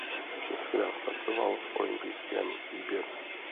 Šestkrát startoval v olympijském výběru.